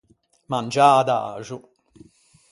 Mangiâ adaxo.